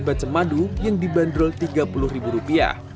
bacem madu yang dibanderol rp tiga puluh